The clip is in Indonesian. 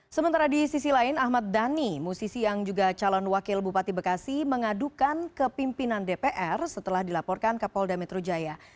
sementara di sisi lain ahmad dhani musisi yang juga calon wakil bupati bekasi mengadukan ke pimpinan dpr setelah dilaporkan ke polda metro jaya